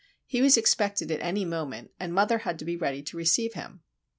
He was expected at any moment, and mother had to be ready to receive him.